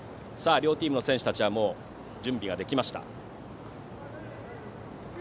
両チームの選手たちは準備ができました。